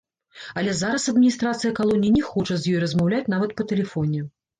Але зараз адміністрацыя калоніі не хоча з ёй размаўляць нават па тэлефоне.